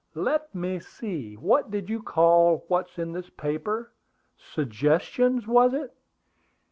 "Let me see, what did you call what's in this paper? Suggestions, was it?